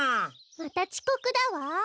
またちこくだわ。